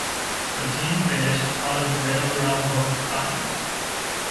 The team finished out of the medal round both times.